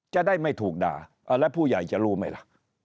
จะได้ไม่ถูกด่าแล้วผู้ใหญ่จะรู้ไหมล่ะ